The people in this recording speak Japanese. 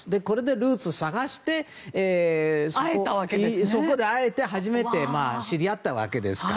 ルーツを探して、そこで会えて初めて知り合ったわけですから。